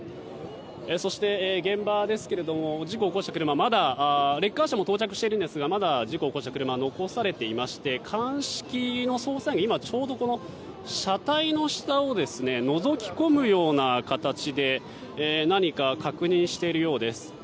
そして現場ですが事故を起こした車レッカー車も到着しているんですがまだ、事故を起こした車は残されていまして鑑識の捜査員が今、ちょうど車体の下をのぞき込むような形で何か確認しているようです。